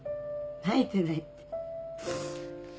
泣いてないって。